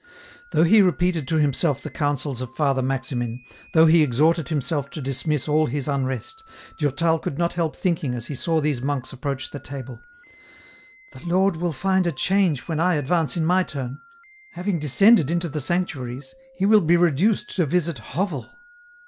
Though he repeated to himself the counsels of Father Maximin, though he exhorted himself to dismiss all his un rest, Durtal could not help thinking as he saw these monks approach the Table, " The Lord will find a change when I advance in my turn ; after having descended into the sanc tuaries. He will be reduced to visit hovel."